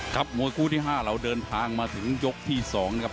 มวยคู่ที่๕เราเดินทางมาถึงยกที่๒นะครับ